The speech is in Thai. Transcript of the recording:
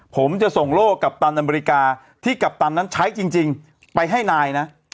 ผมจะส่งโลกกัปตันอเมริกาที่กัปตันนั้นใช้จริงไปให้นายนะ